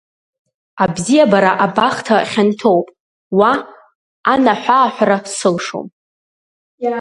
Абзиабара абахҭа хьанҭоуп, уа анаҳәааҳәра сылшом.